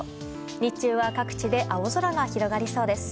日中は各地で青空が広がりそうです。